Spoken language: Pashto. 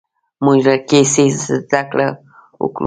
موږ له کیسې زده کړه وکړه.